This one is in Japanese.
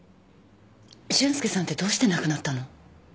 俊介さんってどうして亡くなったの？